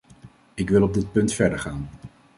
Ik wil op dit punt verder gaan.